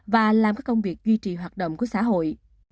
và làm các công việc duy trì hoạt động của xã hội